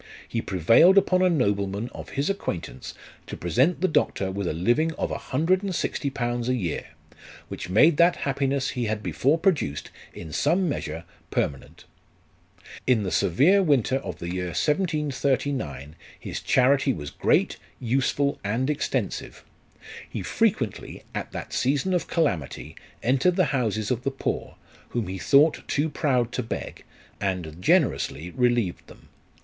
He prevailed upon a nobleman of his acquaintance to present the doctor with a living of 160Z. a year, which made that happiness he had before produced, in some measure permanent. In the severe winter of the year 1739 his charity was great, useful, and extensive. He frequently, at that season of calamity, entered the houses of the poor, whom he thought too proud to beg, and generously relieved them.